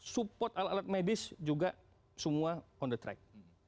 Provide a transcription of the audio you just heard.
support alat alat medis juga semua on the track